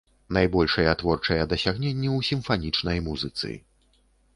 Найбольшыя творчыя дасягненні ў сімфанічнай музыцы.